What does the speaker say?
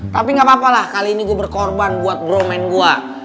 tapi gapapalah kali ini gua berkorban buat bromen gua